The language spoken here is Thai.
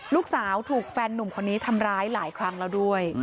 ลูกสาวถูกแฟนหนุ่มคนนี้ทำร้ายหลายครั้งแล้วด้วย